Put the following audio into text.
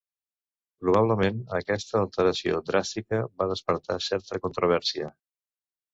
Probablement, aquesta alteració dràstica va despertar certa controvèrsia.